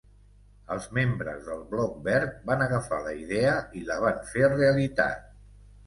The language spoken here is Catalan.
Els membres del Bloc Verd van agafar la idea i la van fer realitat.